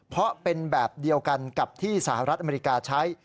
เพราะเป็นแบบเดียวกันกับที่สหรัฐอเมริกาใช้